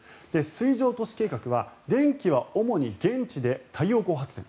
水上都市計画は電気は主に現地で太陽光発電。